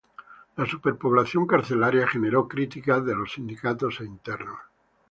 La superpoblación carcelaria generó críticas de los sindicatos e internos.